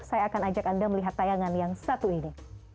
saya akan ajak anda melihat tayangan yang satu ini